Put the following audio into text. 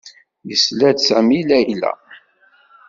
Yesla-d Sami i Layla.